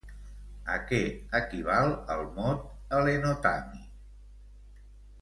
A què equival el mot Hel·lenotami?